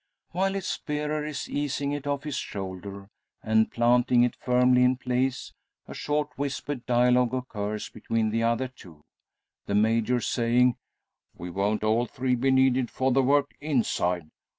While its bearer is easing it off his shoulders, and planting it firmly in place, a short whispered dialogue occurs between the other two, the Major saying "We won't all three be needed for the work inside.